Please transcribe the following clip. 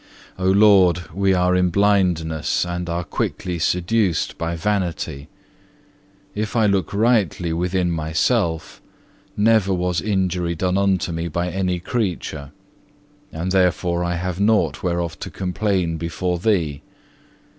2. O Lord, we are in blindness, and are quickly seduced by vanity. If I look rightly within myself, never was injury done unto me by any creature, and therefore I have nought whereof to complain before Thee.